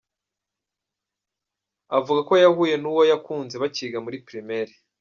Avuga ko yahuye n’uwo yakunze bakiga muri Primaire.